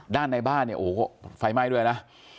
ด้านในบ้านโอ้โหไฟไหม้ด้วยนะ